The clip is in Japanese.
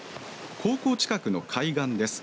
高校近くの海岸です。